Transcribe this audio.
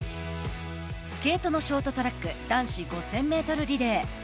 スケートのショートトラック男子５０００ｍリレー。